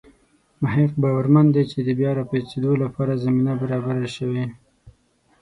مح ق باورمن دی چې د بیا راپاڅېدو لپاره زمینه برابره شوې.